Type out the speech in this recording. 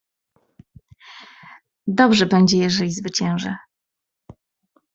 "Dobrze będzie, jeżeli zwyciężę."